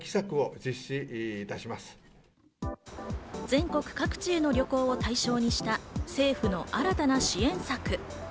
全国各地への旅行を対象にした政府の新たな支援策。